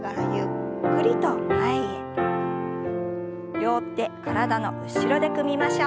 両手体の後ろで組みましょう。